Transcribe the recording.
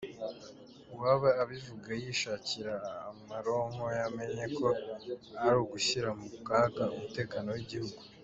Uwaba abivuga yishakira amaronko amenye ko ari ugushyira mu mukaga umutekano w’igihugu".